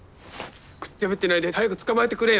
くっちゃべってないで早く捕まえてくれよ。